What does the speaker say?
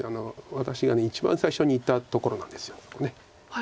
私が一番最初に言ったところなんですそこ。